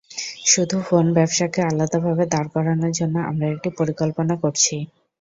শুধু ফোন ব্যবসাকে আলাদাভাবে দাঁড় করানোর জন্য আমরা একটি পরিকল্পনা করছি।